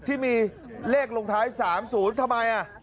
ที่มีเลขลงท้าย๓๐ทำไม